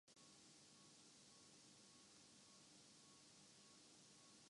ضرورت مند لوگوں کو دینے کے دی جاتی ہیں